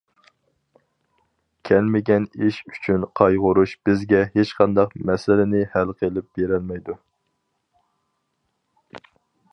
كەلمىگەن ئىش ئۈچۈن قايغۇرۇش بىزگە ھېچقانداق مەسىلىنى ھەل قىلىپ بېرەلمەيدۇ.